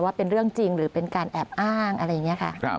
เป็นเรื่องจริงหรือเป็นการแอบอ้างอะไรอย่างนี้ค่ะ